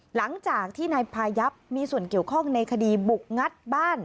หลังจากที่นายพายับมีส่วนเกี่ยวข้องในคดีบุกงัดบ้าน